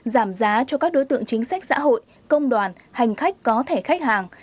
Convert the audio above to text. giảm giá cho các đối tượng chính sách xã hội công đoàn hành khách có thẻ khách hàng